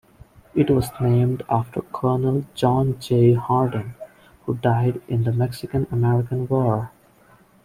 It was named after Colonel John J. Hardin, who died in the Mexican-American War.